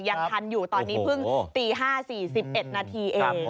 ยังทันอยู่ตอนนี้เพิ่งตี๕๔๑นาทีเอง